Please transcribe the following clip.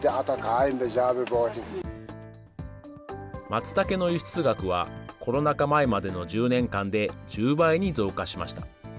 マツタケの輸出額は、コロナ禍前までの１０年間で、１０倍に増加しました。